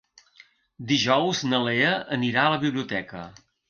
Dijous na Lea anirà a la biblioteca.